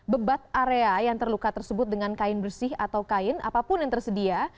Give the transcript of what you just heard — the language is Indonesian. bebat area yang terluka tersebut dengan kain bersih atau kain apapun yang tersedia